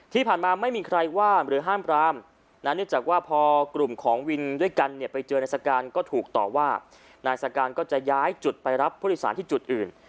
ที่ผ่านมาไม่มีใครว่าหรือห้ามปรามนะเนื่องจากว่าพอกลุ่มของวินด้วยกันเนี่ยไปเจอนายสการก็ถูกต่อว่านายสการก็จะย้ายจุดไปรับผู้โดยสารที่จุดอื่น